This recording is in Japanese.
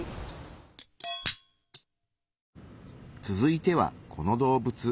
次は続いてはこの動物。